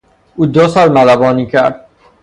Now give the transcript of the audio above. او دو سال ملوانی کرد.